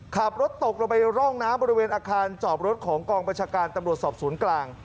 ขับรถตกลงไปร่องน้ำบริเวณอาคารจอบรถของกองประชาการตำรวจสอบสวนกลาง